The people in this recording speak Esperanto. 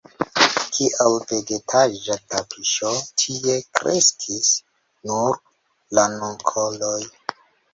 Kiel vegetaĵa tapiŝo tie kreskis nur ranunkoloj.